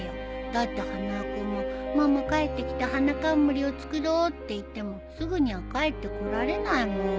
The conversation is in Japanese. だって花輪君も「ママ帰ってきて花冠を作ろう」って言ってもすぐには帰ってこられないもん。